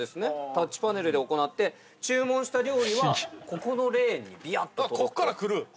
タッチパネルで行って注文した料理はここのレーンにビャッと届くと。